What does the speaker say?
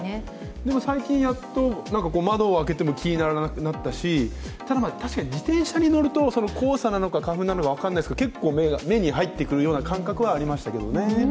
でも最近やっと窓を開けても気にならなくなったし、ただ確かに自転車に乗ると、黄砂なのか花粉なのか分からないけど結構目に入ってくるような感覚はありましたけどね。